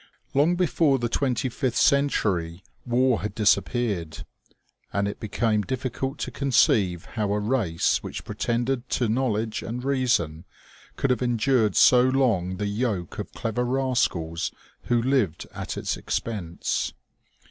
L,ong before the twenty fifth century, war had disap peared, and it became difficult to conceive how a race which pretended to knowledge and reason could have endured so long the yoke of clever rascals who lived at its expense.